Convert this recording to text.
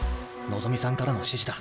望さんからの指示だ。